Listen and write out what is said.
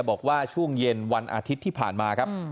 บอกว่าช่วงเย็นวันอาทิตย์ที่ผ่านมาครับ